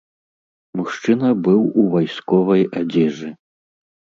Мужчына быў у вайсковай адзежы.